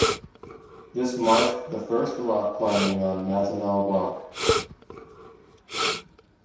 This marked the first rock climbing on Mazinaw Rock.